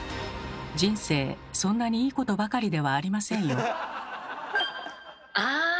人生そんなにいいことばかりではありませんよ。